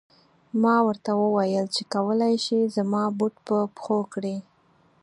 ما ورته و ویل چې کولای شې زما بوټ په پښو کړې.